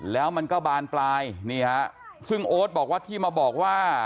แล้วมันก็บานปลายนี่ฮะซึ่งโอ๊ตบอกว่าที่มาบอกว่า